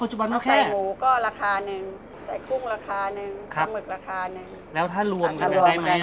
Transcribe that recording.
้อใส่หูก็ราคาหนึ่งใส่กุ้งราคาหนึ่งปลาหมึกก็ราคาหนึ่ง